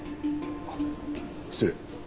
あっ失礼。